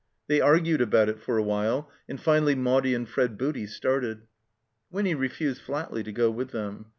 They argued about it for a while, and finally Maudie and Fred Booty started. Winny refused flatly to go with them.